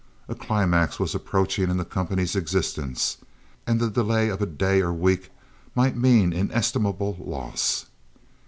A climax was approaching in the company's existence, and the delay of a day or week might mean inestimable loss.